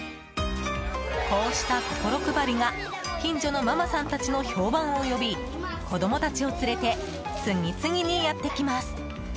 こうした心配りが近所のママさんたちの評判を呼び子供たちを連れて次々にやってきます。